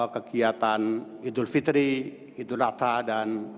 kegiatan idul fitri idul adha dan